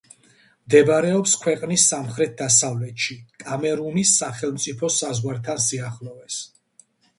მდებარეობს ქვეყნის სამხრეთ-დასავლეთში, კამერუნის სახელმწიფო საზღვართან სიახლოვეს.